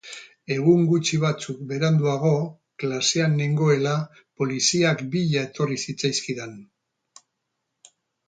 Egun gutxi batzuk beranduago, klasean nengoela, poliziak bila etorri zitzaizkidan.